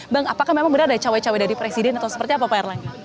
bang apakah memang benar ada cawe cawe dari presiden atau seperti apa pak erlangga